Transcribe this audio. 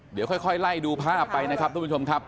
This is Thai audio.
เดี๋ยวค่อยไล่ดูภาพไปนะครับทุกผู้ชมครับ